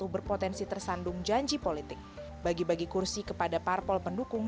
berpotensi tersandung janji politik bagi bagi kursi kepada parpol pendukung